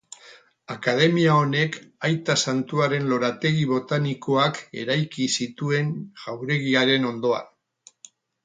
Akademia honek Aita Santuaren lorategi botanikoak eraiki zituen jauregiaren ondoan.